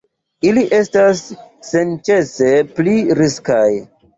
Ili estas senĉese pli riskaj.